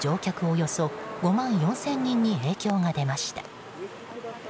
およそ５万４０００人に影響が出ました。